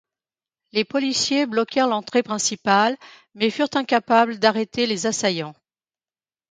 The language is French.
Les policiers bloquèrent l'entrée principale mais furent incapables d'arrêter les assaillants.